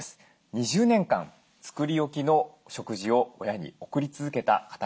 ２０年間作り置きの食事を親に送り続けた方がいます。